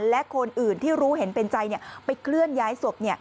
และคนอื่นที่รู้เห็นเป็นใจไปเคลื่อนย้ายศพ